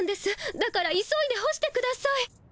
だから急いで干してください。